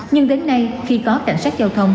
nhưng đến nay khi có cảnh sát giao thông